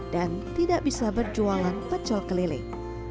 dan tidak bisa berjualan pecah keliling